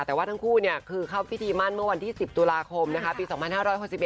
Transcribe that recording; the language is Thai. แต่ว่าทั้งคู่คือเข้าพิธีมั่นเมื่อวันที่๑๐ตุลาคมปี๒๕๖๑